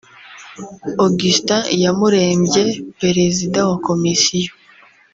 Augustin Iyamurembye (Perezida wa Komisiyo)